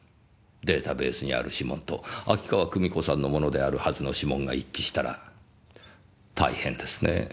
データベースにある指紋と秋川久美子さんのものであるはずの指紋が一致したら大変ですねぇ。